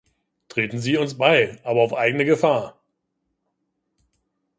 Treten Sie uns bei, aber auf eigene Gefahr.